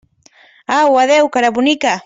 Au, adéu, cara bonica!